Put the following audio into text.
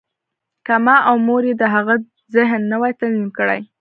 که ما او مور یې د هغه ذهن نه وای تنظیم کړی